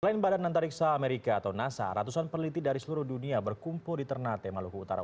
selain badan antariksa amerika atau nasa ratusan peneliti dari seluruh dunia berkumpul di ternate maluku utara